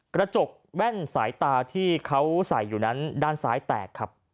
กระจกแว่นสายตาที่เขาใส่อยู่นั้นด้านซ้ายแตกครับ